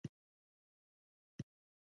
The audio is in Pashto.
آیا د لارې څخه د تیږې لرې کول ثواب نه دی؟